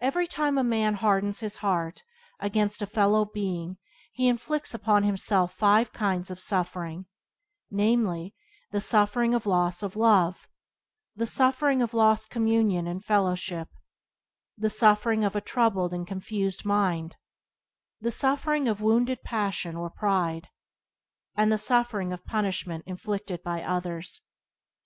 Every time a man hardens his heart against a fellow being he inflicts upon himself five kinds of suffering — namely, the suffering of loss of love; the suffering of lost communion and fellowship; the suffering of a troubled and confused mind; the suffering of wounded passion or pride; and the suffering Byways to Blessedness by James Allen 36 of punishment inflicted by others.